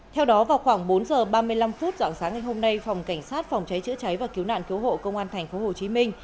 theo đó vào khoảng bốn h ba mươi năm phút dạng sáng ngày hôm nay phòng cảnh sát phòng cháy chữa cháy và cứu nạn cứu hộ công an tp hcm